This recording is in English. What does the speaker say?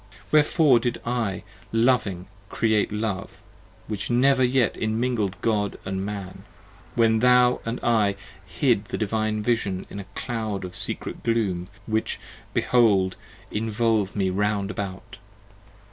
45 Wherefore did I loving create love, which never yet Immingled God & Man, when thou & I hid the Divine Vision In cloud of secret gloom which behold involve me round about?